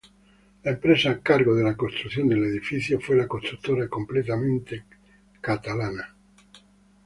La empresa a cargo de la construcción del edificio fue la constructora Completamente Catalana.